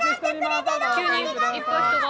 「急にいっぱい人が」